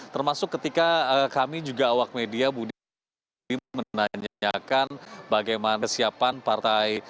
termasuk ketika kami juga awak media budi menanyakan bagaimana kesiapan partai